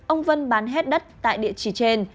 ông vân bán hết đất tại địa chỉ trên